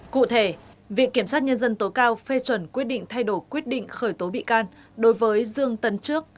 cụ thể viện kiểm sát nhân dân tối cao phê chuẩn quyết định thay đổi quyết định khởi tố bị can đối với dương tấn trước